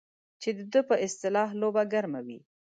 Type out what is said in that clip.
چې د ده په اصطلاح لوبه ګرمه وي.